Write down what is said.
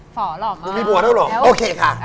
ฝ่อหลอกมากแล้วโอเคค่ะ